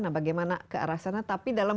nah bagaimana ke arah sana tapi dalam